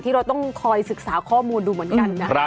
เราต้องคอยศึกษาข้อมูลดูเหมือนกันนะ